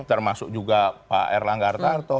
termasuk juga pak erlang gartarto